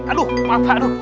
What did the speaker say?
aduh pak aduh